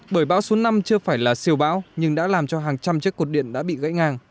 bởi bão số năm chưa phải là siêu bão nhưng đã làm cho hàng trăm chiếc cột điện đã bị gãy ngang